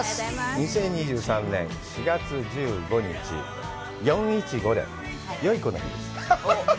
２０２３年４月１５日、４１５でよいこの日です。